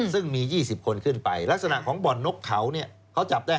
ซึ่งมี๒๐คนขึ้นไปลักษณะของบ่อนนกเขาเนี่ยเขาจับได้